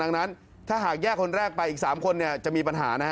ดังนั้นถ้าหากแยกคนแรกไปอีก๓คนจะมีปัญหานะฮะ